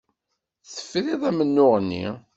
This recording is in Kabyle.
Tefrid amennuɣ-nni.